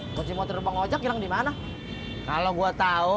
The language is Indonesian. mojimotor bango jangkang dimana kalau gua tahu